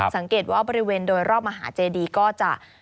สังเกตว่าบริเวณโดยรอบมหาเจดีก็จะ